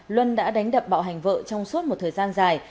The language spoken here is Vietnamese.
luân đã đánh đập bạo hành vợ trong suốt một thời gian dài